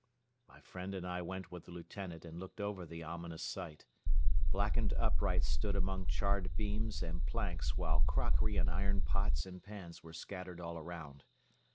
My friend and I went with the Lieutenant and looked over the ominous site. Blackened uprights stood among charred beams and planks while crockery and iron pots and pans were scattered all around.